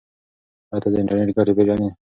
ایا ته د انټرنیټ ګټې پیژنې؟